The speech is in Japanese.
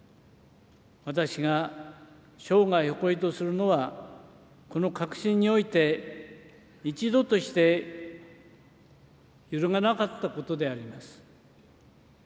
私が生涯誇りとするのは、この確信において一度として、揺るがなかったことであります。